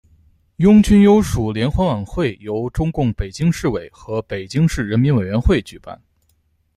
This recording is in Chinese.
拥军优属联欢晚会由中共北京市委和北京市人民委员会举办。